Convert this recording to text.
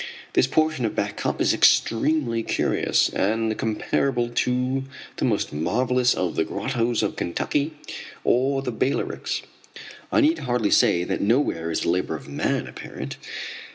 This portion of Back Cup is extremely curious, and comparable to the most marvellous of the grottoes of Kentucky or the Balearics. I need hardly say that nowhere is the labor of man apparent.